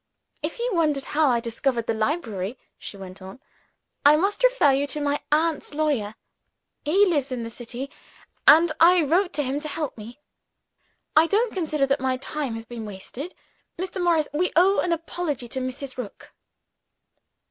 "If you wonder how I discovered the library," she went on, "I must refer you to my aunt's lawyer. He lives in the City and I wrote to him to help me. I don't consider that my time has been wasted. Mr. Morris, we owe an apology to Mrs. Rook."